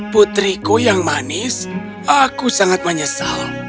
putriku yang manis aku sangat menyesal